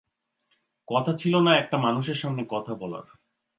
কথা ছিল না একটা মানুষের সামনে কথা বলার।